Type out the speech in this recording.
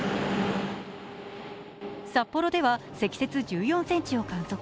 札幌では積雪１４ｃｍを観測。